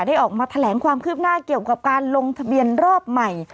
ออกมาแถลงความคืบหน้าเกี่ยวกับการลงทะเบียนรอบใหม่